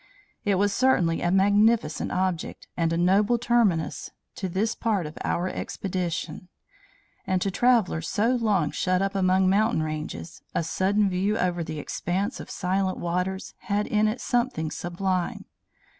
It was certainly a magnificent object, and a noble terminus to this part of our expedition; and to travellers so long shut up among mountain ranges, a sudden view over the expanse of silent waters had in it something sublime.